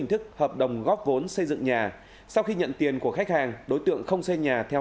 thức hợp đồng góp vốn xây dựng nhà sau khi nhận tiền của khách hàng đối tượng không xây nhà theo